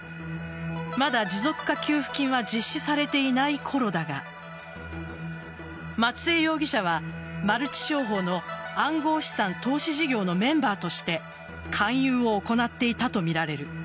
まだ持続化給付金は実施されていないころだが松江容疑者はマルチ商法の暗号資産投資事業のメンバーとして勧誘を行っていたとみられる。